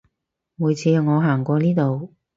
每次我行過呢度